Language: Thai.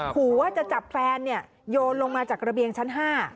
ขู่ว่าจะจับแฟนโยนลงมาจากระเบียงชั้น๕